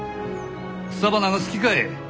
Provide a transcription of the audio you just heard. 草花が好きかえ？